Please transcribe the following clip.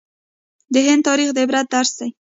د هند تاریخ د عبرت درس دی.